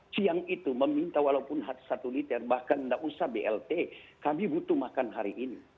siang itu meminta walaupun satu liter bahkan tidak usah blt kami butuh makan hari ini